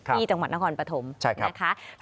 ที่จังหวัดนครปฐมนะคะภาคมืออยู่ไหนครับใช่ครับ